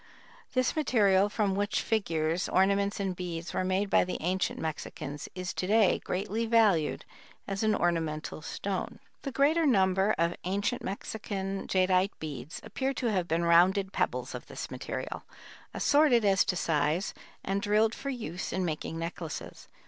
This material, from which figures, ornaments and beads were made by the ancient Mexicans, is to day greatly valued as an ornamental stone. The greater number of ancient Mexican jadeite beads appear to have been rounded pebbles of this material, assorted as to size and drilled for use in making necklaces.